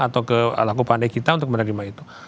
atau ke laku pandai kita untuk menerima itu